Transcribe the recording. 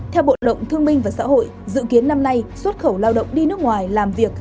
theo bộ động thương minh và xã hội dự kiến năm nay xuất khẩu lao động đi nước ngoài làm việc